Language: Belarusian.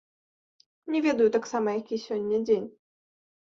Не ведаю таксама, які сёння дзень.